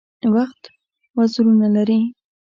وخت وزرونه لري .